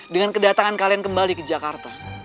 dengan kedatangan kalian kembali ke jakarta